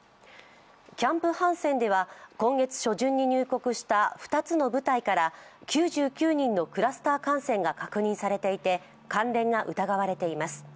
キャンプ・ハンセンでは今月初旬に入国した２つの部隊から９９人のクラスター感染が確認されていて、関連が疑われています。